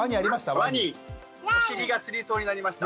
お尻がつりそうになりました。